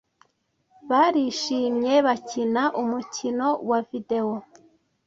Barishimye bakina umukino wa videwo.